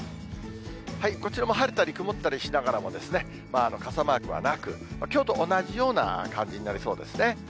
こちらも晴れたり曇ったりしながらも、傘マークはなく、きょうと同じような感じになりそうですね。